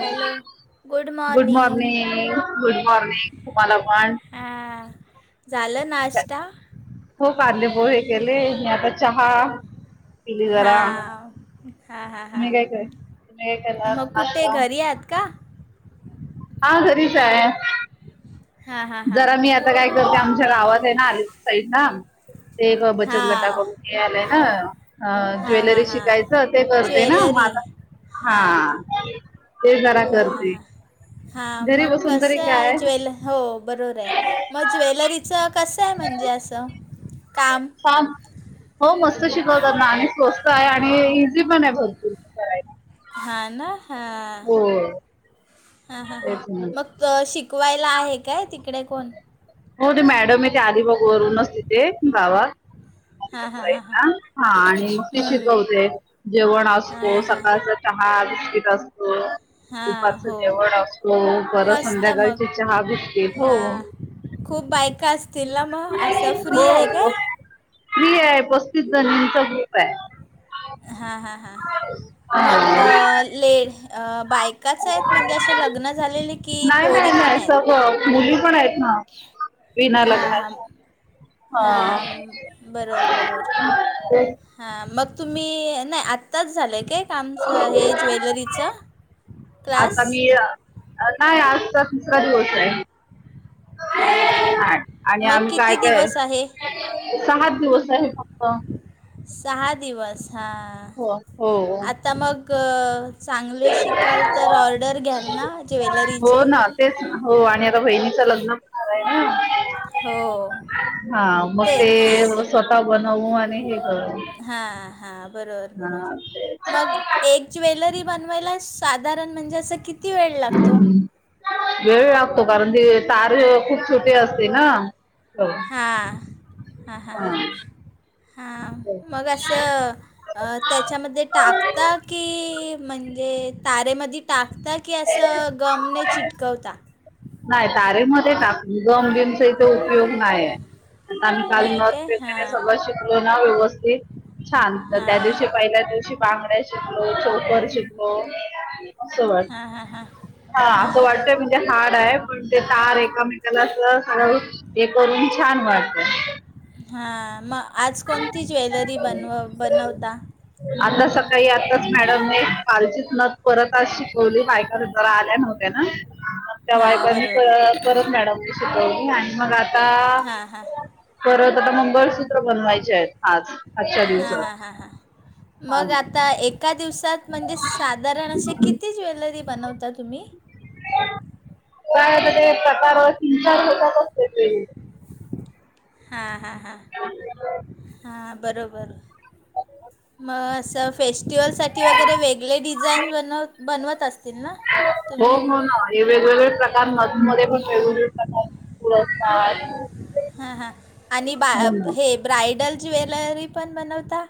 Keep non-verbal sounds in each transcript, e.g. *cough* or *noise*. Hello good morning good morning तुम्हाला पण झालं नाष्टता हो कांले पोहे केले मी आता चहा पिली जरा हां हां हां तुम्ही काय हां कर तुम्ही काय करणार मग कुठे आता घरी आहात का हा घरीच आहे हां हां हां जरा हां मी आता काय करते आमच्या गावात आहे ना आले साईड ना ते एक बचत हां गटाकडून हे आलंय ना हां हां ज्वेलरी शिकायचं ते हां करते ना ज्वेलरी माता हा हां ते जरा करते हा घरी मग बसून कस तरी आहे काय ज्वेलर हो बरोबर आहे मग ज्वेलरीचं कसं आहे म्हणजे असं काम छान हो मस्त शिकवताातना आणि्ही स्वस्त आहे आणि इझी पण आहे भरपूर करायला. हां ना हां हो हां हां हां तेच ना मग शिकवायला आहे काय तिकडे कोण हो ते मॅडम आहे ते आधी बघ वरूनच तिथे गावात हां हां हां हां हा आणिी हम्म. शिकवते जेवण असतो हां हां सकाळ चहा दकीत असतो हां उपारच हो जवण असतो पर मस्त मग संध्याकाळची चहा भिकते हो हां खूप बायका असतील ना मग असं फ्री आहे काय स््री आहे पस्तीस जणांचा ग्रुप आहे हां हां हां मग हा लेड बाईक एकाच आहेत म्हणजे असे लग्न झालेले की नाही नाही पोरी पण नाही आहेत सगळं मुली पण आहेत ना विना लग्नाच्या हा बरोबर बरोबर तेच हां मग तुम्ही नाही आत्ताच झालं आहे का कामचं हे ज्वेलरीचं आता क्लास मी अ, नाही आजचा तिसरा दिवस आहे हां हां ह आणि मग आम काय किती काय दिवस आहे सात दिवस आहे फक्त सहा दिवस हा हो हो आता मग चांगले शिकाल तर ऑर्डर घ्याल ना हो ज्वेलरीचे ना तेच हो आणि आता बहिणीचं लग्न प होणार आहे हो ना हा मग तेच ते स्वतः बनवू आणि हे कर हां हां, बरोबर बरोबर ते. मग एक ज्वेलरी बनवायला साधारण म्हणजे असं किती वेळ लागतो? वेळ लागतो कारण, ती तार खूप छोटी असते ना. हो हा हा हा हा. हा, मग असं त्याच्यामध्ये टाकता की म्हणजे, तारेमध्ये टाकता की असं गमने चिटकवता? नाही तारे मध्ये टाकुन, गमबीमचा इथे उपयोग नाहीय. कारण काल नाही नथ काय वैगरे हां सगळं शिकलो ना व्यवस्थित. छान, तर त्या हां दिवशी पहिल्याच दिवशी बांगड्या शिकलो, चोकर शिकलो. हां हां हां हा असं हां वाटतंय म्हणजे हार्ड आहे पण ते तार एकामेकाला असं हे करून छान वाटतं हा मग आज कोणती ज्वेलरी बनव बनवता? आता सकाळी आताच मॅडमने कालचीच नथ परत आज शिकवली, बायका जरा आल्या नव्हत्या ना. *unintelligible* त्या हां बायकांनी बरोबर परत मॅडमनी शिकवली, आणि मग आता हां हां परत आता मंगळसूत्र बनवायचे आहेत आज. आजच्या हा हा दिवसात हा हा. हा मग आता एका दिवसात म्हणजे साधारण असे ना किती ज्वेलरी बनवता तुम्ही? काय आता ते प्रकार तीन चार होतातच ते. हा हा हा हा बरोब म असं फेस्टिवलसाठी वगैरे वेगळे डिझाईन बनव बनवत असतील ना? हो, तुम्ही हो ना. आणि वेगवेगळे प्रकार, नथमध्ये पण वेगवेगळे प्रकारचे फूल असतात. हा हा, आणि बा हो ना हे ब्रायडल ज्वेलरी पण बनवता?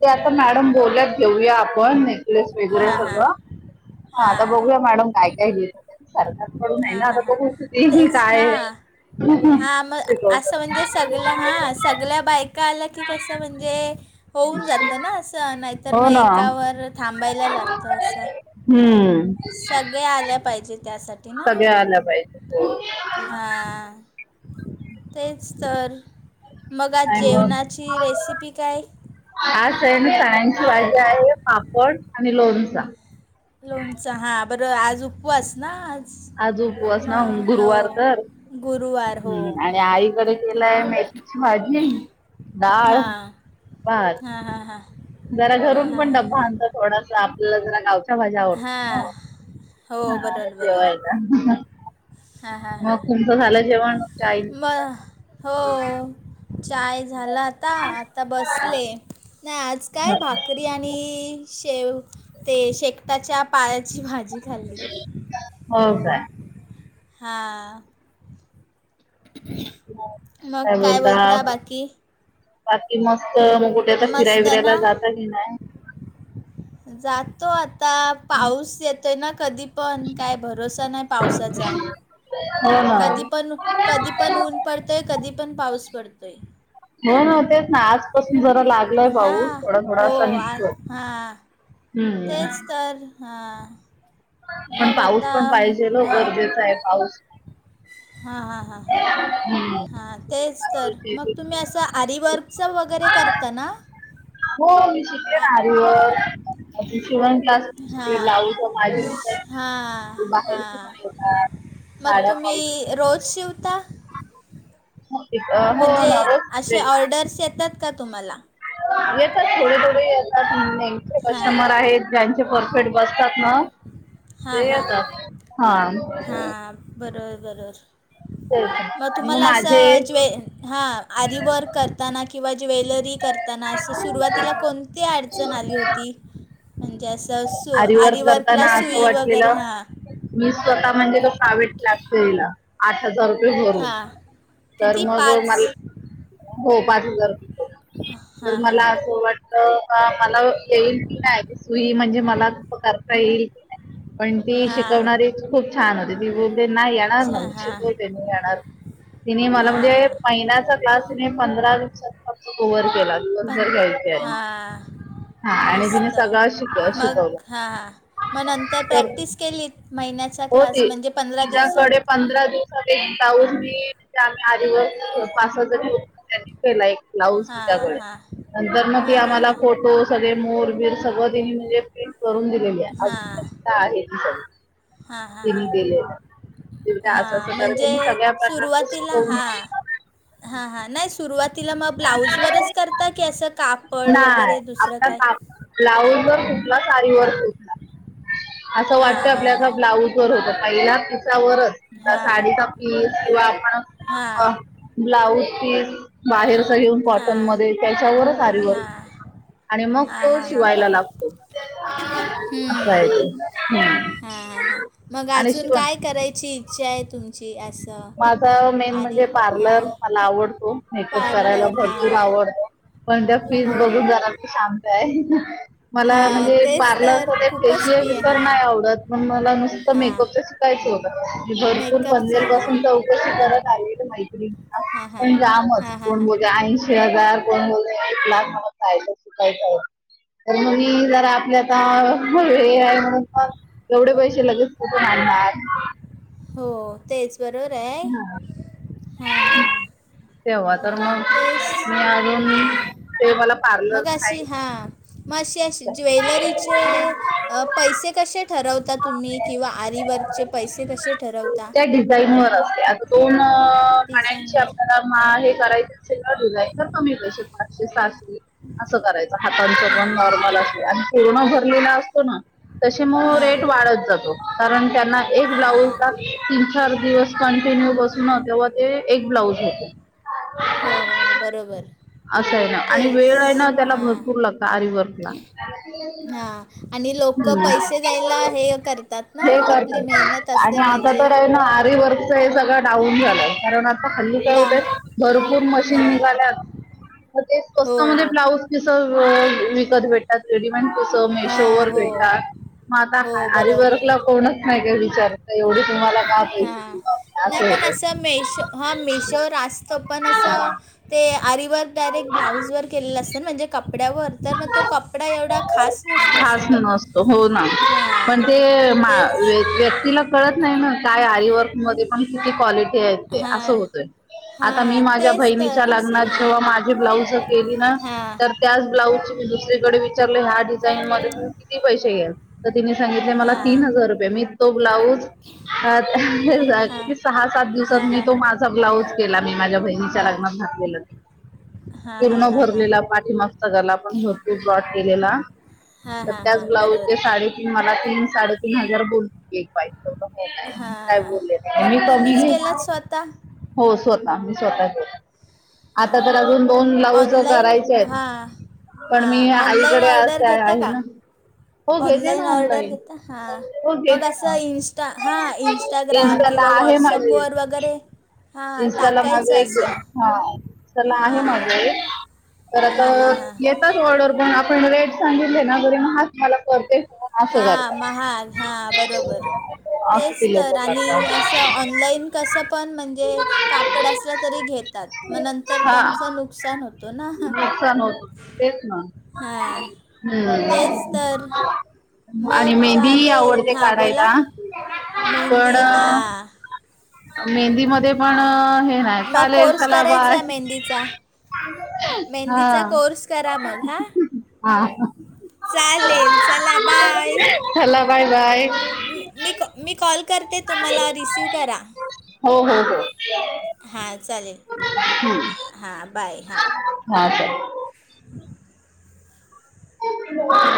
ते आता मॅडम बोलल्यात घेऊया पण नेकलेस वगैरे हां हां सगळं, हा आता हां बघूया मॅडम काय काय घेत सारख पडून आहे हां ना, आता बघू तेही काय आहे. हा मग असं म्हणजे, सगळ्या हा सगळ्या बायका आल्या की कसं म्हणजे होऊन जातं ना असं, नाहीतर हो मग ना एकावर थांबायला लागतं असं. हम्म. सगळया आल्या पाहिजे त्यासाठी. सगळ्या आल्या पाहिजे, हो. हा, तेच तर. मग आज आणि मग जेवणाची रेसिपी काय? आज आहे *unintelligible* भाजी आहे पापड आणि लोणचा. लोणचं, हा बरोबर आज उपवास ना आज उपवास ना गुरुवार तर. गुरूवार हम्म, आणि आईकडे केलंय मेथीची भाजी, डाळ. हां भात, हां हां हां जरा हां घरून हां पण हां डब्बा आणतो थोडास आपल्याला जरा गाव च्या भाज्या, हां हां हो हा बरोबर बरोबर जेवायला. हां हां मग हां तुमच झालं जेवण? *unintelligible* म हो, चाय झाला आता, आता बसले. नाही आज काय भाकरी आणि शेव ते शेकटाच्या पायाची भाजी खाली. हो काय? हां. मग काय काय म्हणता? बोलता बाकी बाकी मस्त, मग कुठे तर फिराय मस्त विरायला ना जाता की नाही? जातो आता पाऊस येतोय ना कधी पण काय भरोसा नाही, पावसाचा, हो ना कधी पण कधी पण ऊन पडतोय कधी पण पाऊस पडतोय, हो हो तेच ना आजपासून जरा लाग, हा हो आ हा हम्म तेच तर, हां पण मग पाऊस आता पण पाहिजे लो हां गरजेचा आहे पाऊस. हा हा हा हम्म हा तेच तर मग तुम्ही असं आरीवर्कच वगैरे करता ना? आ *inaudible* हां हां हां *inaudible* मग झाड्या पावड तुम्ही रोज शिवता? म्हणजे *inaudible* *unintelligible* का तुम्हाला येतात थोडे थोडे येतात नेमचे हां कस्टमर आहेत ज्यांचे परफेक्ट बसतात ना. हां ते येतात हा. *inaudible* तेच आणि मग माझे हा आधी वर्क करताना किंवा ज्वेलरी करताना असं सुरुवातीला कोणतेड हो म्हणजे अस आ आरीवर्क कला करताना वाटलेलं मी स्वतः म्हणजे तो सावीट लागतोयला. आठ हजार रुपये भरून हां तर किती मग पाच मला हो पाच हजार रुये तर हां हां मला हां असं वाटत. मला येईल की नाही सुई म्हणजे मला करता येईल की नाही. पण ती हां शिकवणारी खूप छान होती ती नाही येणार अच्छा नाही हां शिकवते म येणार. तिने मला म्हणजे हां महिन्याचा क्लास तिने पंधरा दिवसां कोव्हर केला पण हो. हां मस्त *inaudible* मग हां मग नंतर प्रॅक्टिस केलीत महिन्याचा हो क्लास ती म्हणजे पंधरा दिवसात. तिच्याकडे पंधरा दिवसात एक ब्लाऊज मी आम्ही आजवर पासाच घे नी केला एक ब्लाऊज हां तिच्याकडे हां नंतर मग ती हां हां आम्हाला हां फोटो सग मोरबर सगळ तिने म्हणजे प्रिंट करून दि अजून हां पर्यंत आहे हां हां ती हां ग, त असं अस हां कर म्हणजे मी सगळ्या प्रकारच सुरुवातीला को हां हां हां नाही सुरुवातीला मग ब्लाऊजवररच करता की असं कापड नाही वगैरे दुसरं काय? आपला ब्लाऊज वर कुठला सारी वरठला असं वाटत हां हां आपल्याचा हां ब्लाऊज हो पहिल्या पिसावरच हां साडीचा पीस किंवा हां आपण ब्लाऊज पीस बाहेरच घेऊन कॉटन हां मध्ये त्याच्यावरच आरिवर्क हां आणि मग हां तो हां हां शिवायला बरोबर लागतो असा हम्म आहेेत ह् हां हां हां मग अजून काय करायची इच्छा आहे तुमची? ज अस माझा मेन म्हणजे पार्लर मला आवडतो. मेकअप करायला पार्लर भरपूर हां आवडत पण त्या फीज हो बघून जणार तर शांत आहे. मला हां म्हणजे तेच पार्लरच तर ते खूपच फेशियल फी आहे तरर हां नाही आवडत पण मला नुसतं हां मेकअपच भरपर मेकअपचं हां परसून शी ब *unintelligible* हां हां ऐंशी हां हां हजार हां कोण एक लाख म्हणयच शिकायचं आहे. तर मगी जर आपल्या आता. व आहे म्हणून पण एवढे पैसे लगेच कुठे आणणार? हो, तेच बरोबर आहे. हां हां हां तेव्हा तर हां मग तेच मी अजून हां ते मला पार्लर राहील. मगं असे असे ज्वेलरीचे अ पैसे कसे ठरव ता तुम्ही किंवा आरीवर्क र्च पैसे कसे ठरवता. त्या डिझाईन वर असते. आता दोन पाण्याची डिझाईनवर आपल्याला किंवा हे करायच असेल तर डिझाईन तर कमी पैसे पाचशे-सहाशे असं करायचं. हातांचं पण हां हां नॉर्मल हां असते आणि पूर्ण भरलेला असतो ना. तशी मग हां रेट वाढत जातो. कारण त्यांना एक ब्लाऊज हां ला तीन चार दिवस कंटिन्यू बसू ना तेव्हा ते एक ब्लाऊज होते. हो हो हो बरोबर, असं आहे ना, आणि तेच वेळ आहे ना त्याला हां भरपूर लागत आरीवर्कला. हां आणि लोक पैसे द्यायला हे करतात ना हे आपली करतात मेहनत आणि असते म्हणजे, आता तर आहे ना. आरी वर्क च हे सगळं डाऊन झालंय. कारण, हल्ली काय डाव होत. भरपूर मशीन हां निघाल्यात मग ते हो स्वस्त मध्ये हो ब्लाउज कस विकत भेटतात. रेडीमेट कसं मेशो हां वर हो भेटतात. मग आता हो आरीवर्कला कोणच नाही काय विचारत. एवढी तुम्हाला का हा पैसे देऊ आम्ही नाही. पण होतंय असं मेशो हा मेशो वर आस त. तो पण असं ते आरीवर्क असं डायरेक्ट ब्लाऊजवर केलेलं असतं म्हणजे कपड्यावर तर मग तो कपडा एवढा खास नसतो असा खास नसतो हो ना पण हां ते मा तेच, व्यक्तीला कळत नाही ना. काय आरीवर्क मध्ये पण किती क्वालिटी आहेत ते असं हां होतय. आता मी हां माझ्या तेच बहिणीच्या तर असं लग्नात हां जेव्हा माझी ब्लाऊज केली ना हां तर त्याच ब्लाउज मी दुसरीकडे विचारल ह्या डिझाईन मध्ये किती पैसे घ्याल? तर तिने सांगितले मला तीन हां हजार रुपये मी तो ब्लाऊज सहा सात हां दिवसात हां मी हां तो माझा ब्लाऊज केला. मी माझ्या बहिणीच्या लग्नात घातलेलं. हां हां पूर्ण हां हां भरलेला पाठीमागचा गला पूर्ण हां हां हां बरोबर *unintelligible* साडे तीन मला तीन साडेतीन हजार बोल पाहिजे. हो, काय हां बोलले मग मी कमी तुम्हीच केलात स्वतः हो स्वतः मी स्वतः हां आता हां तर हां अजून दोन ब्लाऊज ऑनलाइन करायचे आहेत हां, पण हां मी ऑनलाईन आईकडे ऑर्डर असे घेता आहे का ना. हो घेते ना ऑनलाईन ऑर्डर घेता. हा हो मग घेते असं ना इन्स्टा हा इंस्टा ग्राम इन्स्टाला किंवा व्हॉट्सअप वगैरे हां इंस्टाला माझ टाकायचं एक असं हा लहान आहे माझ हां एक तर आता हां हां हां येतात ऑर्डर पण आपण रेट सांगितले ना घरी महाग मला करते. हा महागं हा बरोबर असं तेच ती लोक तर आणि करतात. असं ऑनलाईन कसं पण म्हणजे, ते कापड असलं तरी घेतात. मग नंतर हा त्यांचं नुकसान होतो ना. नुकसान होतो. तेच ना हां तेच हम तर आणि मग मेहंदी चालेल आवडते हां बोला काढायला पण, मेहंदी हां मेहंदी मध्ये पण हे नाही. मग चालेल कोर्स चला बाय. करायचा मेहंदीचा हा मेहंदीचा कोर्स करा मग हां हा चालेल. चला बाय, चला बाय बाय मी मी कॉल मी कॉल करते तुम्हाला रिसीव करा हो हां चालेल, ह *unintelligible* हां बाय हा, हां सर *unintelligible* *inaudible* *inaudible*